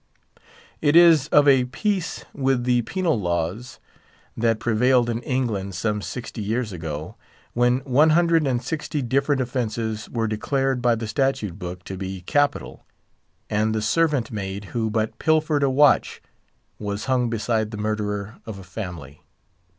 It is of a piece with the penal laws that prevailed in England some sixty years ago, when one hundred and sixty different offences were declared by the statute book to be capital, and the servant maid who but pilfered a watch was hung beside the murderer of a family.